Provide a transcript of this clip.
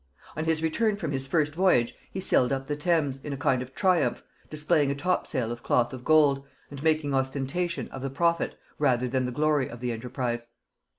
On his return from his first voyage he sailed up the Thames in a kind of triumph, displaying a top sail of cloth of gold, and making ostentation of the profit rather than the glory of the enterprise.